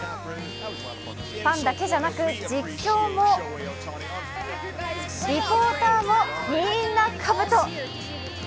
ファンだけじゃなく、実況も、リポーターもみーんなかぶと。